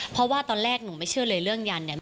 เพราะว่าตอนแรกหนูไม่เชื่อเลยเรื่องยันเนี่ย